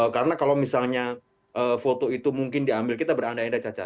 karena kalau misalnya foto itu mungkin diambil kita berandain da caca